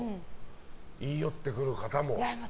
言い寄ってくる方も。